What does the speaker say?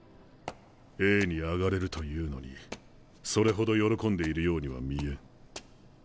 Ａに上がれるというのにそれほど喜んでいるようには見えん。